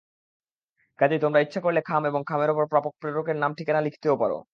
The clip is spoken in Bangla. কাজেই তোমরা ইচ্ছা করলে খাম এবং খামের ওপর প্রাপক-প্রেরকের নাম-ঠিকানা লিখতেও পারো।